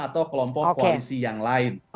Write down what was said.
atau kelompok koalisi yang lain